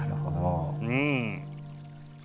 うん。